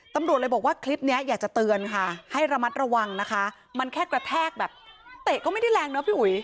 ตำรวจเลยบอกว่าคลิปนี้อยากจะเตือนค่ะให้ระมัดระวังนะคะมันแค่กระแทกแบบเตะก็ไม่ได้แรงเนอะพี่อุ๋ย